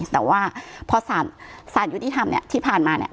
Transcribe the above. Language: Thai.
แต่ว่าพอสารยุติธรรมเนี่ยที่ผ่านมาเนี่ย